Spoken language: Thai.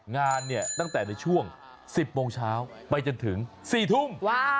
งานเนี่ยตั้งแต่ในช่วง๑๐โมงเช้าไปจนถึง๔ทุ่ม